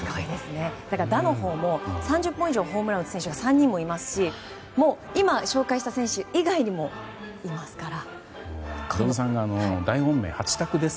打のほうも、３０本以上ホームランを打つ選手が３人もいますし今、紹介した選手以外にもいますから。